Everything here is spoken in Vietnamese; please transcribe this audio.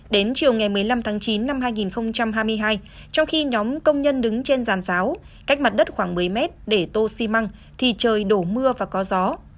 đến chiều ngày một mươi năm tháng chín năm hai nghìn hai mươi hai trong khi nhóm công nhân đứng trên giàn giáo cách mặt đất khoảng một mươi mét để tô xi măng thì trời đổ mưa và có gió